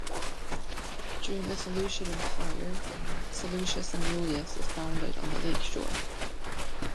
During the Seleucid Empire, the town Seleucia Samulias was founded on the lake shore.